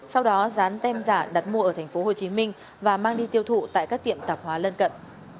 sau đó dán tem giả đặt mua ở tp hcm và mang đi tiêu thụ tại các tiệm tạp hóa lân cận